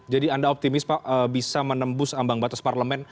jadi anda optimis pak bisa menembus ambang batas parlemen